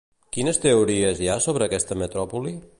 Quines teories hi ha sobre aquesta metròpoli?